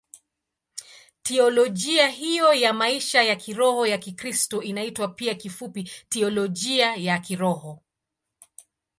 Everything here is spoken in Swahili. Teolojia hiyo ya maisha ya kiroho ya Kikristo inaitwa pia kifupi Teolojia ya Kiroho.